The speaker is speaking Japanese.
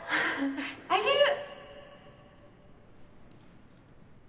あげる！